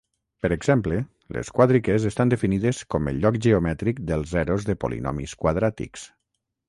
Per exemple, les quàdriques estan definides com el lloc geomètric dels zeros de polinomis quadràtics.